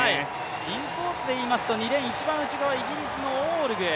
インコースでいいますと２レーン一番内側、イギリスのオールグー。